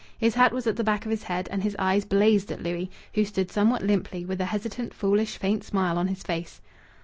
His hat was at the back of his head, and his eyes blazed at Louis, who stood somewhat limply, with a hesitant, foolish, faint smile on his face.